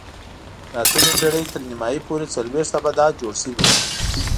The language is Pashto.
د اتمې پېړۍ تر نیمايي پورې څلوېښت ابدات جوړ شوي وو.